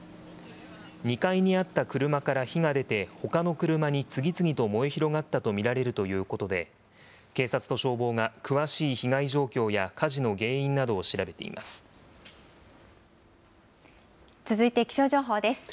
２階にあった車から火が出て、ほかの車に次々と燃え広がったと見られるということで、警察と消防が詳しい被害状況や火事の原因な続いて気象情報です。